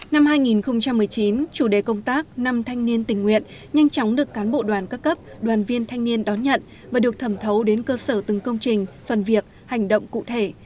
năm hai nghìn một mươi chín chủ đề công tác năm thanh niên tình nguyện nhanh chóng được cán bộ đoàn các cấp đoàn viên thanh niên đón nhận và được thẩm thấu đến cơ sở từng công trình phần việc hành động cụ thể